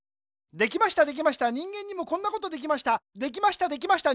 できましたできました人間にもこんなことできました。